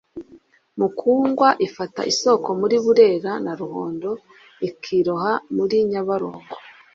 Mukungwa ifata isoko muri Burera na Ruhondo ikiroha muri Nyabarongo.